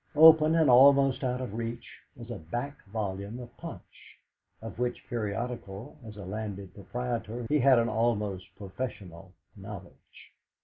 Open, and almost out of reach, was a back volume of Punch, of which periodical, as a landed proprietor, he had an almost professional knowledge.